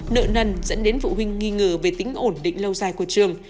nợ nần dẫn đến phụ huynh nghi ngờ về tính ổn định lâu dài của trường